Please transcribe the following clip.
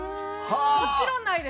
もちろんない？